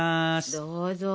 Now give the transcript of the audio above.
どうぞ。